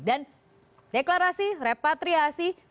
dan deklarasi repatriasi